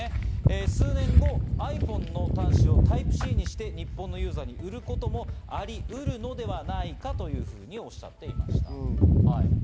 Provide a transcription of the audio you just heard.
数年後、ｉＰｈｏｎｅの端子をタイプＣにして日本のユーザーに来ることもありうるのではないかというふうにおっしゃっています。